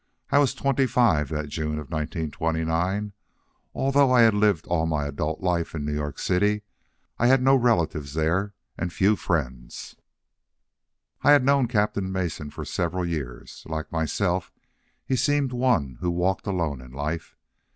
I was twenty five that June of 1929. Although I had lived all of my adult life in New York City, I had no relatives there and few friends. I had known Captain Mason for several years. Like myself, he seemed one who walked alone in life.